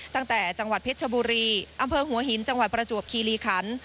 จังหวัดเพชรชบุรีอำเภอหัวหินจังหวัดประจวบคีรีคัน